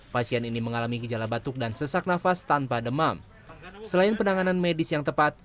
pasien ini mengalami gejala batuk dan sesak nafas tanpa demam selain penanganan medis yang tepat